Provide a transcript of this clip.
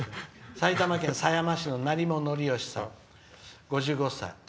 埼玉県狭山市のなりもさん５５歳。